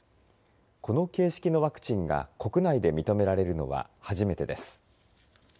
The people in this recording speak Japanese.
この形式のワクチンが国内で認められるのは初めてです。